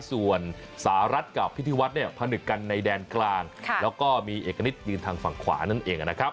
ส่วนสหรัฐกับพิธีวัฒน์เนี่ยผนึกกันในแดนกลางแล้วก็มีเอกณิตยืนทางฝั่งขวานั่นเองนะครับ